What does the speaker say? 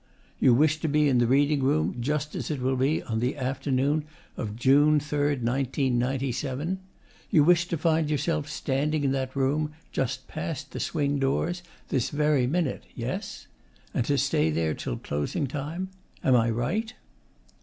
You wish to be in the reading room just as it will be on the afternoon of June 3, 1997? You wish to find yourself standing in that room, just past the swing doors, this very minute, yes? and to stay there till closing time? Am I right?